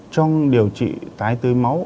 trong điều trị tái tươi máu